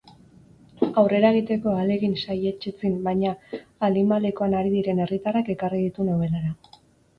Aurrera egiteko ahalegin saihetsezin baina alimalekoan ari diren herritarrak ekarri ditu nobelara.